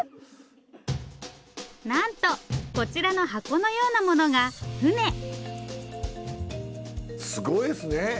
なんとこちらの箱のようなものが舟すごいですね。